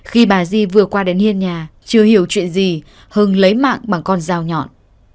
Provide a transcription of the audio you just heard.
khi bà di vừa qua đến hiên nhà chưa hiểu chuyện gì hưng lấy mạng bằng con dao nhọn